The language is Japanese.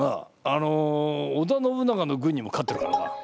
あの織田信長の軍にも勝ってるからな。